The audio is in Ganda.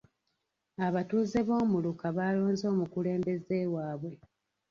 Abatuuze b'omuluka baalonze omukulembeze waabwe.